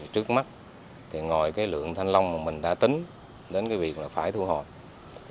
trước mắt ngồi lượng thanh long mà mình đã tính đến việc phải thu hoạch